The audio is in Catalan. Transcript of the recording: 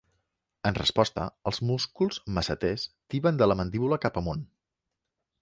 En resposta, els músculs masseters tiben de la mandíbula cap amunt.